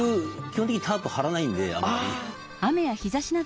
基本的にタープ張らないんであんまり。